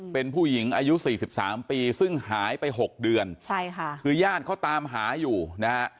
เป็นผู้หญิงอายุสี่สิบสามปีซึ่งหายไปหกเดือนใช่ค่ะคือญาติเขาตามหาอยู่นะฮะ